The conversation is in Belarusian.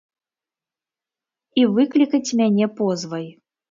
І выклікаць мяне позвай.